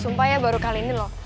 sumpah ya baru kali ini loh